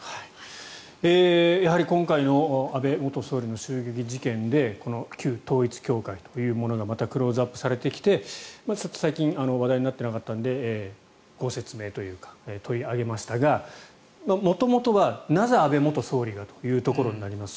やはり今回の安倍元総理の襲撃事件で旧統一教会というものがまたクローズアップされてきて最近話題になっていなかったのでご説明というか取り上げましたが元々はなぜ安倍元総理がというところになります。